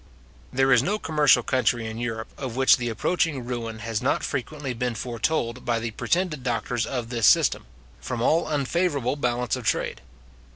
There is no commercial country in Europe, of which the approaching ruin has not frequently been foretold by the pretended doctors of this system, from all unfavourably balance of trade.